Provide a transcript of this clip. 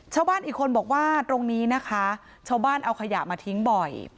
ชาวบ้านอีกคนบอกว่าตรงนี้นะคะชาวบ้านเอาขยะมาทิ้งบ่อย